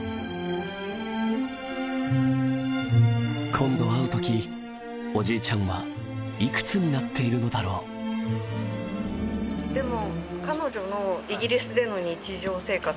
今度会う時おじいちゃんは幾つになっているのだろうでも。